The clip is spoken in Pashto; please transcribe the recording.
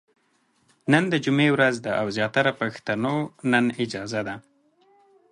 نن د جمعې ورځ ده او زياتره پښتنو نن اجازه ده ،